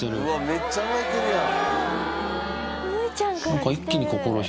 めっちゃ甘えてるやん。